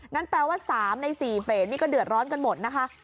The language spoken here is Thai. แปลว่า๓ใน๔เฟสนี่ก็เดือดร้อนกันหมดนะคะ